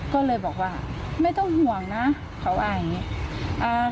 ก็เลยบอกว่าไม่ต้องห่วงนะเขาว่าอย่างงี้อ่า